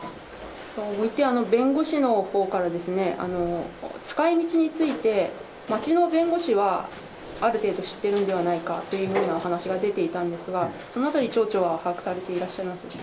弁護士のほうから使いみちについて、町の弁護士はある程度知ってるんではないかというようなお話が出ていたんですが、そのあたり、町長は把握されていらっしゃいます